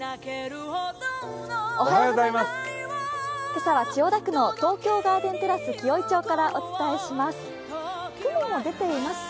今朝は千代田区の東京ガーデンテラス紀尾井町からお伝えします。